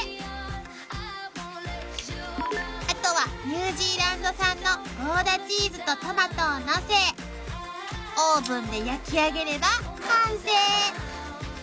［後はニュージーランド産のゴーダチーズとトマトをのせオーブンで焼きあげれば完成］